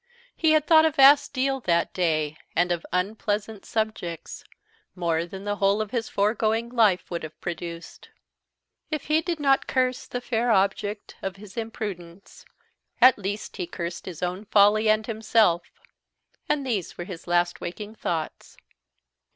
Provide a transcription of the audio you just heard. He had thought a vast deal that day, and of unpleasant subjects, more than the whole of his foregoing life would have produced. If he did not curse the fair object of his imprudence, he at least cursed his own folly and himself; and these were his last waking thoughts.